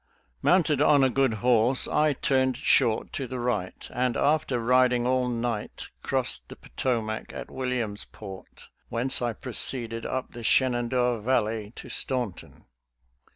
• Mounted on a good horse, I turned short to the right, and, after riding all night, crossed the Potomac at Williamsport, whence I proceeded up the Shenandoah Valley to Staunton.